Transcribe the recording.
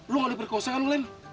lu gak ada perikosaan lu len